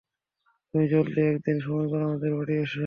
তুমি জলদি একদিন সময় করে আমাদের বাড়ি এসো।